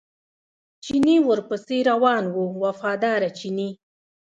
چیني ورپسې روان و وفاداره چیني.